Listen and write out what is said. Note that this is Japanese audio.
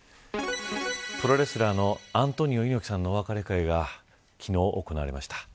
プロレスラーのアントニオ猪木さんのお別れ会が昨日、行われました。